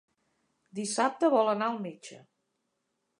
Dissabte vol anar al metge.